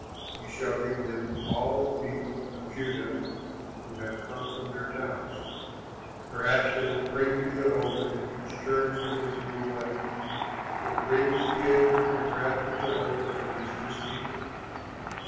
You shall read them to all the people of Judah who have come from their towns. Perhaps they will pray to Jehovah and each turn from his evil way; for great is the anger and wrath of Jehovah against this people."